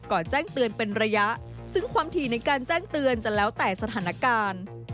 แจ้งเตือนเป็นระยะซึ่งความถี่ในการแจ้งเตือนจะแล้วแต่สถานการณ์